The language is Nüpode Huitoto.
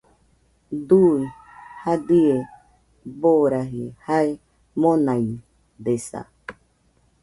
Dui jadie boraji jae monaidesa